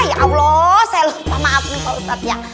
ah ya allah saya lupa maafin pak ustadz ya